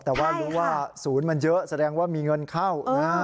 แต่ว่ารู้ว่าศูนย์มันเยอะแสดงว่ามีเงินเข้านะ